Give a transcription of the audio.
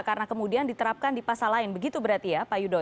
karena kemudian diterapkan di pasar lain begitu berarti ya pak yudho